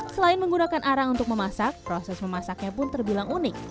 selain menggunakan arang untuk memasak proses memasaknya pun terbilang unik